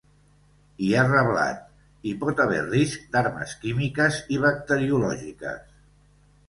I ha reblat: ‘Hi pot haver risc d’armes químiques i bacteriològiques’.